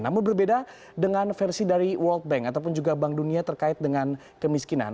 namun berbeda dengan versi dari world bank ataupun juga bank dunia terkait dengan kemiskinan